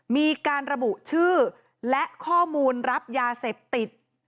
มีการระบุชื่อและข้อมูลรับยาเสพติด